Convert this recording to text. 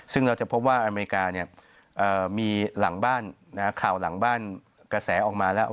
ซึ่งเราจะพบว่าอเมริกามีหลังบ้านข่าวหลังบ้านกระแสออกมาแล้ว